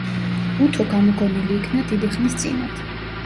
უთო გამოგონილი იქნა დიდი ხნის წინათ.